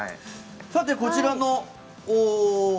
さて、こちらの。